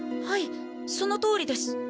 はいそのとおりです。